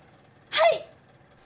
はい！